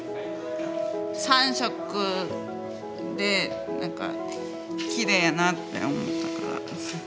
３色で何かきれいやなって思ったから。